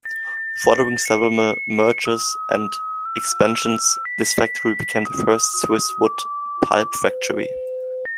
Following several mergers and expansions, this factory became the first Swiss wood pulp factory.